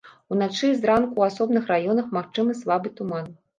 Уначы і зранку ў асобных раёнах магчымы слабы туман.